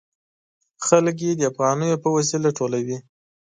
خلک یې د افغانیو په وسیله ټولوي.